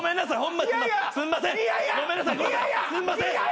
すんません。